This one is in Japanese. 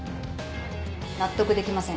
納得できません。